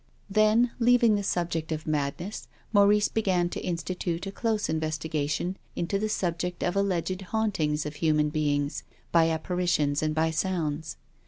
Then, leaving the subject of madness, Maurice began to institute a close investigation into the subject of alleged hauntings of human beings by ai)i)aritions and by sounds.